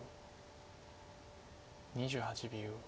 ２８秒。